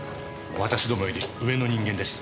私どもより上の人間です。